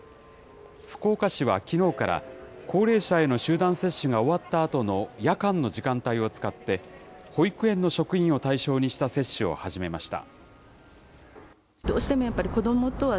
福岡市はきのうから、高齢者への集団接種が終わったあとの夜間の時間帯を使って、保育園の職員を対象にした接種を始めました。